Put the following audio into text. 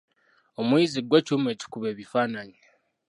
Omuyizi ggwe kyuma ekikuba ebifananyi.